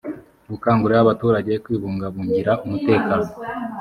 gukangurira abaturage kwibungabungira umutekano